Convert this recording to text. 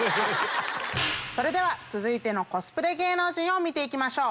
それでは続いてのコスプレ芸能人見て行きましょう。